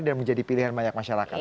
dan menjadi pilihan banyak masyarakat